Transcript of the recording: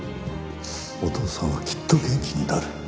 お父さんはきっと元気になる。